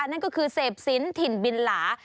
นั่นก็คือเสพศิลป์ถิ่นบินหลา